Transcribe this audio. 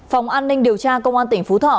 phòng an ninh điều tra công an tỉnh phú thọ